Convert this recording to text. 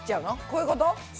こういうこと？